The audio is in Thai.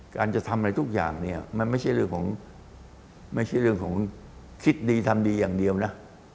การจะทำอะไรทุกอย่างเนี่ยมันไม่ใช่เรื่องของคิดดีทำดีอย่างเดียวนะ